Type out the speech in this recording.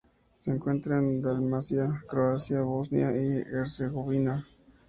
Se encuentra en Dalmacia, Croacia y Bosnia y Herzegovina.